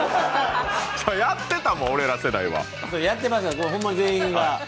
やってたもん、俺ら世代は。